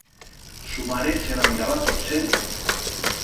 Su mare se la miraba tot seria.